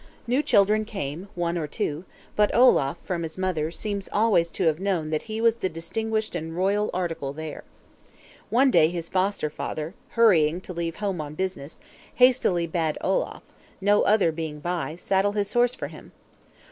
New children came, one or two; but Olaf, from his mother, seems always to have known that he was the distinguished and royal article there. One day his Foster father, hurrying to leave home on business, hastily bade Olaf, no other being by, saddle his horse for him.